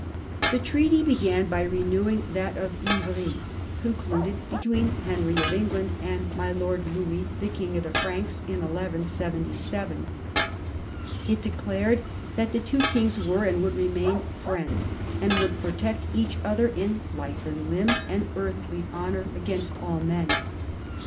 The treaty began by renewing that of Ivry, concluded between Henry of England and " my lord Louis, the king of the Franks " in 1177. It declared that the two kings were, and would remain, friends, and would protect each other in life and limb and earthly honour against all men.